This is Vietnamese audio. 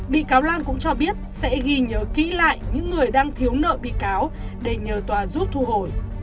bị cáo lan cũng cho biết sẽ ghi nhớ kỹ lại những người đang thiếu nợ bị cáo để nhờ tòa giúp thu hồi